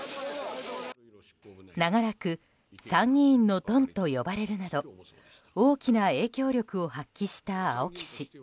長らく参議院のドンと呼ばれるなど大きな影響力を発揮した青木氏。